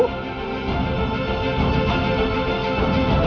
aku akan menang bu